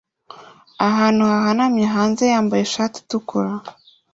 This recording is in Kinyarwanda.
ahantu hahanamye hanze yambaye ishati itukura